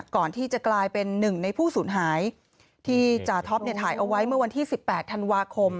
ก่อนที่จะกลายเป็นหนึ่งในผู้สูญหายที่จาท็อปเนี่ยถ่ายเอาไว้เมื่อวันที่๑๘ธันวาคม